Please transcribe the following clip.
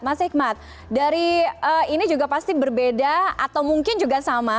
mas hikmat dari ini juga pasti berbeda atau mungkin juga sama